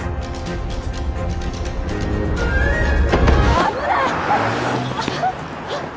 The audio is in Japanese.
危ない！